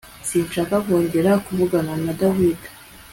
Sinshaka kongera kuvugana na David